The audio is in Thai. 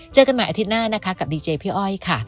เจอกันใหม่อาทิตย์หน้านะคะกับดีเจพี่อ้อยค่ะ